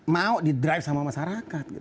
mau didrive sama masyarakat